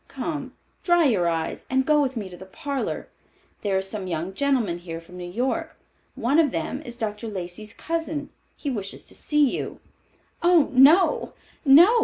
Come, dry your eyes and go with me to the parlor. There are some young gentlemen here from New York. One of them is Dr. Lacey's cousin. He wishes to see you." "Oh, no, no!"